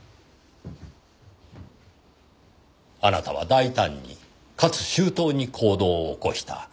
あなたは大胆にかつ周到に行動を起こした。